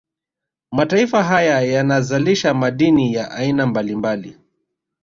Mataifa haya yanazalisha madini ya aina mbalimbali